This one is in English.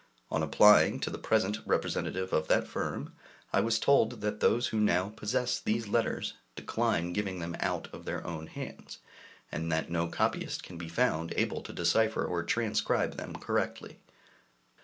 On applying to the present representative of that firm, I was told that those who now possess these letters decline giving them out of their own hands, and that no copyist can be found able to decipher or transcribe them correctly.